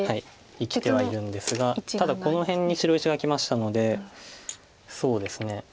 生きてはいるんですがただこの辺に白石がきましたのでそうですね。